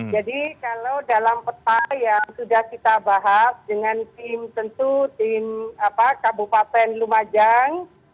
kalau dalam peta yang sudah kita bahas dengan tim tentu tim kabupaten lumajang